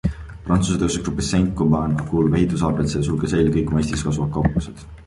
Prantsuse tööstusgruppi Saint-Gobain kuuluv Ehituse ABC sulges eile kõik oma Eestis asuvad kauplused.